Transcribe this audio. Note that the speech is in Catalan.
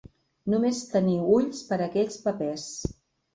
Només teníeu ulls per a aquells papers.